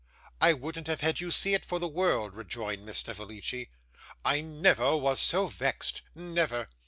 'I wouldn't have had you see it for the world!' rejoined Miss Snevellicci. 'I never was so vexed never!